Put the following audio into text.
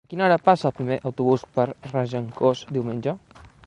A quina hora passa el primer autobús per Regencós diumenge?